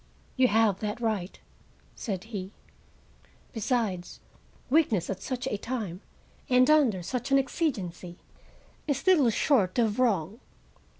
"You have that right," said he; "besides, weakness at such a time, and under such an exigency, is little short of wrong.